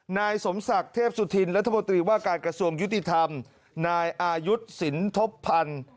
นายสมศักดิ์เทพสุธินรัฐมนตรีว่าการกระทรวงยุติธรรมนายอายุทธ์สินทบพันธ์